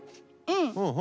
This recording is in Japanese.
うん。